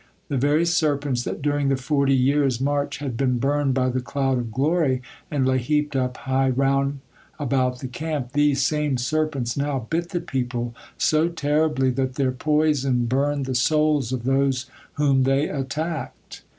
The very serpents that during the forty years' march had been burned by the cloud of glory and lay heaped up high round about the camp, these same serpents now bit the people so terribly that their poison burned the souls of those whom they attacked.